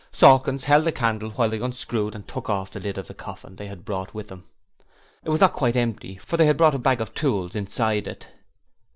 Sawkins held the candle while they unscrewed and took off the lid of the coffin they had brought with them: it was not quite empty, for they had brought a bag of tools inside it.